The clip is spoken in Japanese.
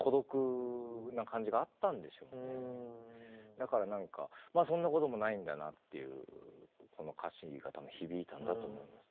だから何かそんなこともないんだなっていうこの歌詞が多分響いたんだと思います。